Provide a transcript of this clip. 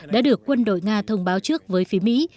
đã được quân đội nga thông báo trước với phía mỹ